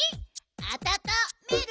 あたためる？